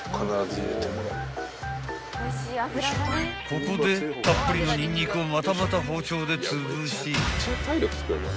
［ここでたっぷりのニンニクをまたまた包丁でつぶし］